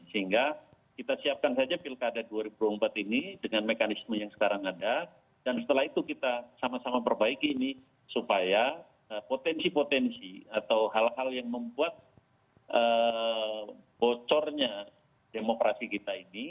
sehingga kita siapkan saja pilkada dua ribu dua puluh empat ini dengan mekanisme yang sekarang ada dan setelah itu kita sama sama perbaiki ini supaya potensi potensi atau hal hal yang membuat bocornya demokrasi kita ini